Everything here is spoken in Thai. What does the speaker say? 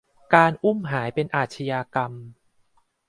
การอุ้มหายเป็นอาชญากรรม